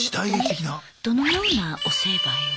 どのようなお成敗を？